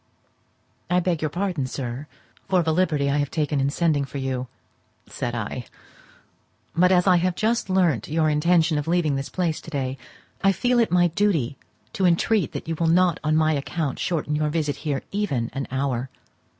"I beg your pardon, sir, for the liberty I have taken in sending for you," said I; "but as I have just learnt your intention of leaving this place to day, I feel it my duty to entreat that you will not on my account shorten your visit here even an hour.